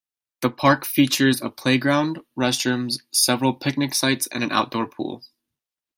The park features a playground, restrooms, several picnic sites and an outdoor pool.